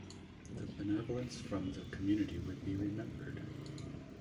The benevolence from the community would be remembered.